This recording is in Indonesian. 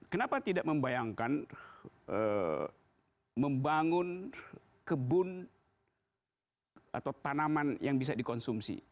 kenapa tidak membayangkan membangun kebun atau tanaman yang bisa dikonsumsi